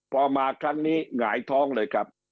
พอมาครั้งนี้หงายท้องเลยครับ